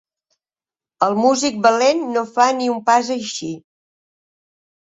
El músic valent no fa ni un pas així.